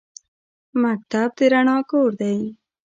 مکتب د رڼا کور دی